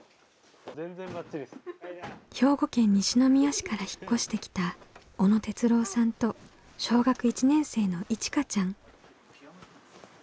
兵庫県西宮市から引っ越してきた小野哲郎さんと小学１年生のいちかちゃん。